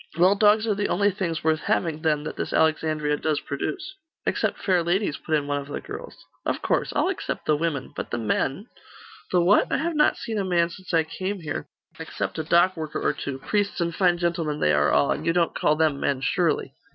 'Well, dogs are the only things worth having, then, that this Alexandria does produce.' 'Except fair ladies!' put in one of the girls. 'Of course. I'll except the women. But the men ' 'The what? I have not seen a man since I came here, except a dock worker or two priests and fine gentlemen they are all and you don't call them men, surely?